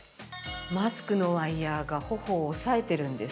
マスクのワイヤーが頬を押さえてるんです。